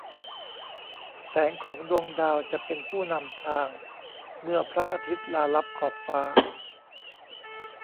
แสงของดวงดาวจะเป็นผู้นำทางเมื่อพระอาทิตย์ลาลับขอบฟ้า